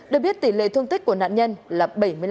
được biết tỷ lệ thương tích của nạn nhân là bảy mươi năm